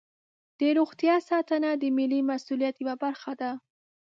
د روغتیا ساتنه د ملي مسؤلیت یوه برخه ده.